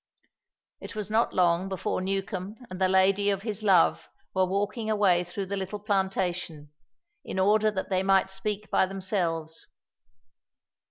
It was not long before Newcombe and the lady of his love were walking away through the little plantation, in order that they might speak by themselves.